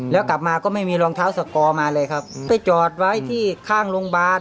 แล้วกลับมาก็ไม่มีรองเท้าสกอร์มาเลยครับไปจอดไว้ที่ข้างโรงพยาบาล